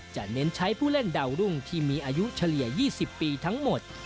เน้นใช้ผู้เล่นดาวรุ่งที่มีอายุเฉลี่ย๒๐ปีทั้งหมด